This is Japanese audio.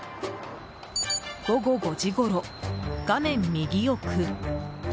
午後５時ごろ、画面右奥。